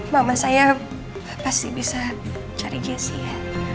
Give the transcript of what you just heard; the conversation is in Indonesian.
mama saya pasti bisa cari jessi ya